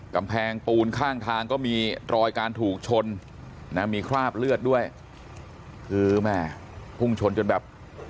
กำแพงปูนข้างทางก็มีรอยการถูกชนนะมีคราบเลือดด้วยคือแม่พุ่งชนจนแบบ